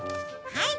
はい！